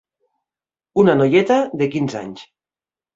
Una noieta de quinze anys.